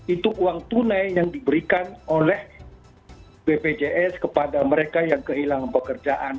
itu uang tunai yang diberikan oleh bpjs kepada mereka yang kehilangan pekerjaan